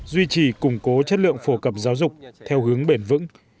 duy trì củng cố chất lượng phổ cập giáo dục theo hướng bền vững